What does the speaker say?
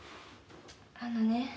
あのね。